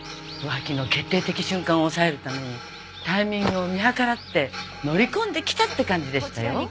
浮気の決定的瞬間を押さえるためにタイミングを見計らって乗り込んできたって感じでしたよ。